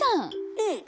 うん。